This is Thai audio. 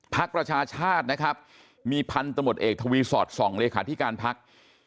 ภักดิ์ประชาชาตินะครับมีพันธุ์ตะหมดเอกทวีสอร์ต๒เลขาธิการภักดิ์